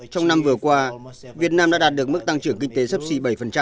trong năm vừa qua việt nam đã đạt được mức tăng trưởng kinh tế sấp xỉ bảy